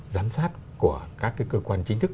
giám sát của các cái cơ quan chính thức